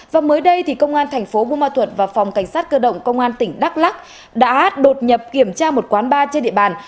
và mới đây thì công an thành phố bù ma thuật và phòng cảnh sát cơ động công an tỉnh đắk lắc đã đột nhập kiểm tra một quán bar trên địa bàn